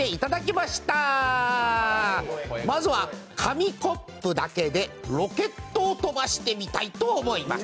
まずは紙コップだけでロケットを飛ばしてみたいと思います。